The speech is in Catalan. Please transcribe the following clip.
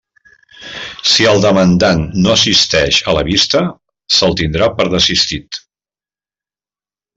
Si el demandant no assisteix a la vista, se'l tindrà per desistit.